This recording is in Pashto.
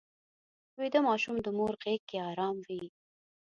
ویده ماشوم د مور غېږ کې ارام وي